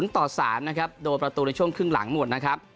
ต่อ๓นะครับโดนประตูในช่วงครึ่งหลังหมดนะครับ